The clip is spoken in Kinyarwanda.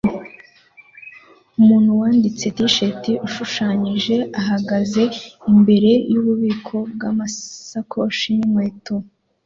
Umuntu wanditse t-shirt ishushanyije ihagaze imbere yububiko bwamasakoshi ninkweto